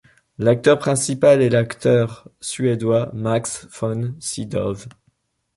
L'acteur principal est l'acteur suédois Max von Sydow.